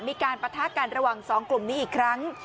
ปะทะกันระหว่างสองกลุ่มนี้อีกครั้ง